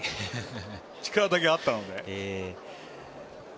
力だけあったので。